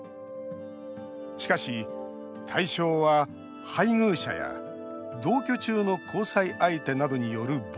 しかし、対象は配偶者や同居中の交際相手などによる暴力。